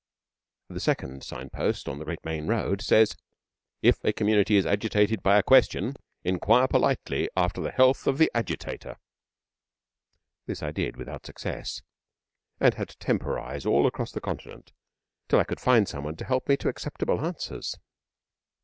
The Second Sign Post on the Great Main Road says: 'If a Community is agitated by a Question inquire politely after the health of the Agitator,' This I did, without success; and had to temporise all across the Continent till I could find some one to help me to acceptable answers.